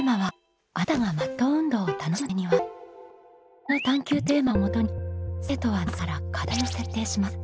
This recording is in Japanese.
この探究テーマをもとに生徒は自ら課題を設定します。